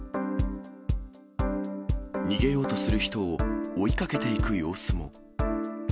逃げようとする人を追いかけていく様子も。